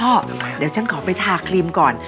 เดี๋ยวฉันขอไปทาครีมก่อน